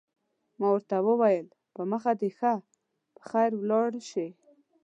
ما ورته وویل: په مخه دې ښه، په خیر ولاړ شه.